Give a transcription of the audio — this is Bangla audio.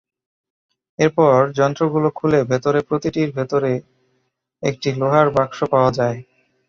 এরপর যন্ত্রগুলো খুলে ভেতরে প্রতিটির ভেতরে একটি লোহার বাক্স পাওয়া যায়।